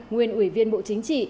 nguyên ủy viên bộ chính trị